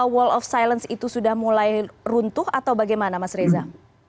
wall of silence itu sudah mulai runtuh atau bagaimana mas reza